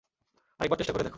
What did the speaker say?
আরেকবার চেষ্টা করে দেখো।